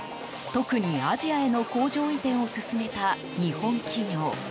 特にアジアへの工場移転を進めた日本企業。